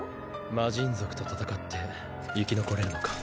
魔神族と戦って生き残れるのか？